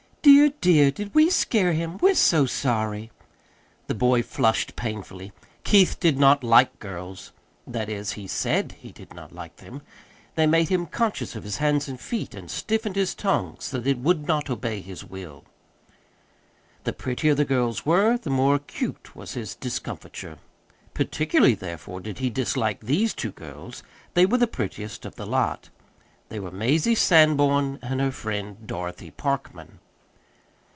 "Dear, dear, did we scare him? We're so sorry!" The boy flushed painfully. Keith did not like girls that is, he SAID he did not like them. They made him conscious of his hands and feet, and stiffened his tongue so that it would not obey his will. The prettier the girls were, the more acute was his discomfiture. Particularly, therefore, did he dislike these two girls they were the prettiest of the lot. They were Mazie Sanborn and her friend Dorothy Parkman.